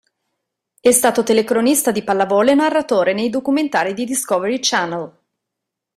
È stato telecronista di pallavolo e narratore nei documentari di Discovery Channel.